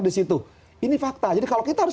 disitu ini fakta jadi kalau kita harus